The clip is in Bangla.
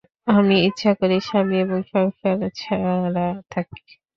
আমি ইচ্ছা করেই স্বামী এবং সংসার চাঁড়া থাকি।